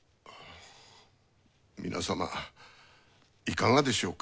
皆様いかがでしょうか？